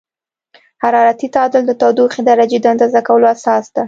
حرارتي تعادل د تودوخې درجې د اندازه کولو اساس دی.